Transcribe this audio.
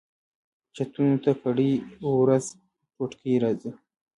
چتونو ته کرۍ ورځ توتکۍ راځي